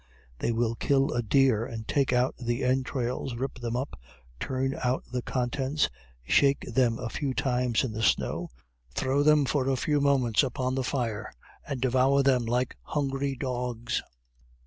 They will kill a deer and take out the entrails, rip them up, turn out the contents, shake them a few times in the snow, throw them for a few moments upon the fire, and devour them like hungry dogs.